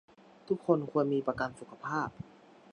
ทุกคนควรมีประกันสุขภาพ